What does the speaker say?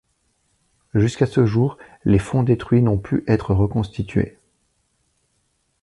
Jusqu'à ce jour, les fonds détruits n'ont pu être reconstitués.